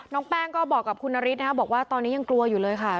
น้องแป้งตอนนี้ก็บอกว่าตอนนี้ยังกลัวอยู่เลยค่ะ